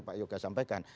pak yuka sampaikan